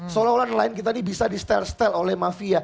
suuzon sama nelayan kita ini bisa di setel setel oleh mafia